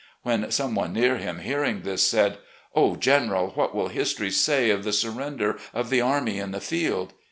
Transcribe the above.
When some one near him, hearing this, said: " Oh, General, what will history say of the surrender of the army in the field?"